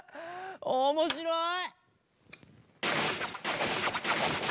おもしろい！